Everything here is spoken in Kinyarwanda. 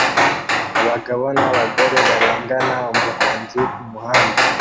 Abagabo n'abagore barengana umuhanzi kumuhanda